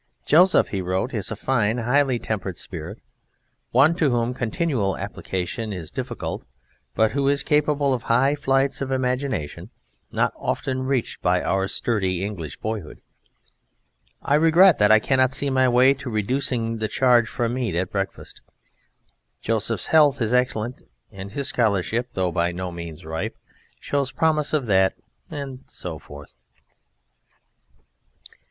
"Joseph," he wrote, "is a fine, highly tempered spirit, one to whom continual application is difficult, but who is capable of high flights of imagination not often reached by our sturdy English boyhood.... I regret that I cannot see my way to reducing the charge for meat at breakfast. Joseph's health is excellent, and his scholarship, though by no means ripe, shows promise of that ..." and so forth.